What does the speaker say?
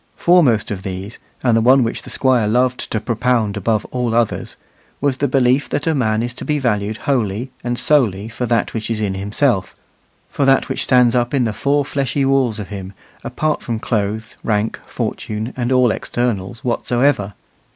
Foremost of these, and the one which the Squire loved to propound above all others, was the belief that a man is to be valued wholly and solely for that which he is in himself, for that which stands up in the four fleshly walls of him, apart from clothes, rank, fortune, and all externals whatsoever.